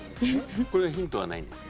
ヒントはないんですか。